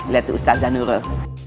lihat tuh ustazan nurul